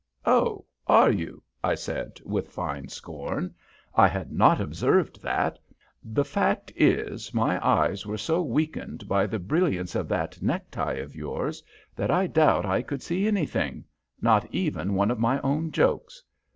_" "Oh, are you?" I said, with fine scorn. "I had not observed that. The fact is, my eyes were so weakened by the brilliance of that necktie of yours that I doubt I could see anything not even one of my own jokes.